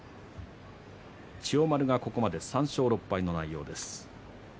千代丸がここまで３勝６敗の内容です。